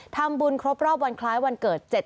ทำบุญครบรอบวันคล้ายวันเกิด